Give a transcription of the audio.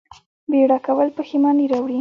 بیړه کول پښیماني راوړي